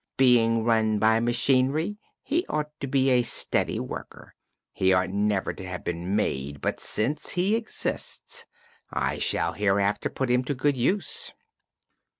"Being run by machinery he ought to be a steady worker. He ought never to have been made, but since he exists I shall hereafter put him to good use."